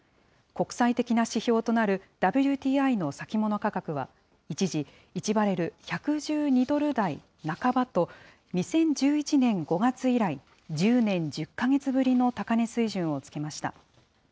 国際的な指標となるＷＴＩの先物価格は、一時１バレル１１２ドル台半ばと、２０１１年５月以来、１０年１０か月ぶりの高値水準をつけました。